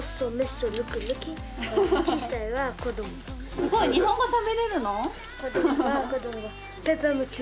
すごい！日本語しゃべれるの？